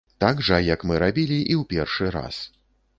Так жа, як мы рабілі і ў першы раз.